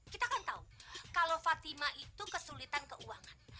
kita kan tahu kalau fatima itu kesulitan keuangan